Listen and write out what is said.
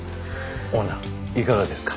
オーナーいかがですか。